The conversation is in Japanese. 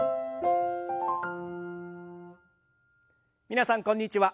皆さんこんにちは。